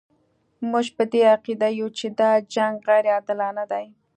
موږ په دې عقیده یو چې دا جنګ غیر عادلانه دی.